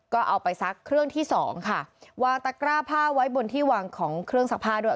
ก็เอาไปซักเครื่องที่สองค่ะวางตะกร้าผ้าไว้บนที่วางของเครื่องซักผ้าด้วย